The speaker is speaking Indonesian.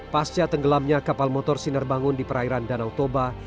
pasca tenggelamnya kapal motor sinar bangun di perairan danau toba